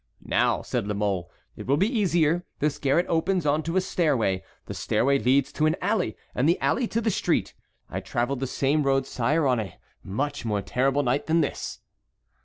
"Now," said La Mole, "it will be easier: this garret opens on to a stairway, the stairway leads to an alley, and the alley to the street. I travelled the same road, sire, on a much more terrible night than this."